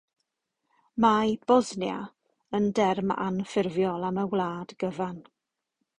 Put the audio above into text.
Mae “Bosnia” yn derm anffurfiol am y wlad gyfan.